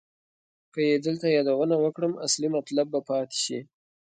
که یې دلته یادونه وکړم اصلي مطلب به پاتې شي.